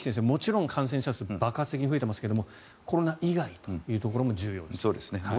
もちろん感染者数は爆発的に増えていますがコロナ以外というところも重要です。